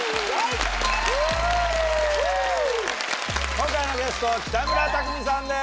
今回のゲスト北村匠海さんです！